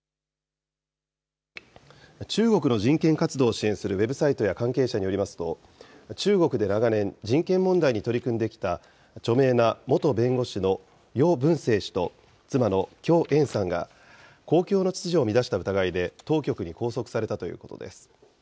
中国の人権活動を支援するウェブサイトや関係者によりますと、中国で長年、人権問題に取り組んできた著名な元弁護士の余文生氏と、妻の許艶さんが公共の秩序を乱した疑いで当局に拘束されたということです。